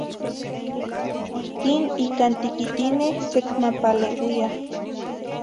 Ihquin ican tiquitineh secmapaleuia